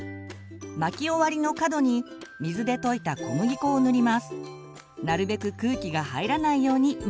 巻き終わりの角に水で溶いた小麦粉を塗ります。